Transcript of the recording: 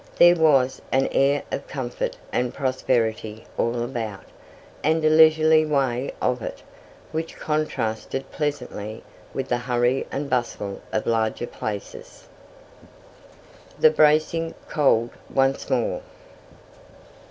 There was an air of comfort and prosperity all about, and a leisurely way of it, which contrasted pleasantly with the hurry and bustle of larger places. THE BRACING COLD ONCE MORE.